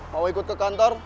mau ikut ke kantor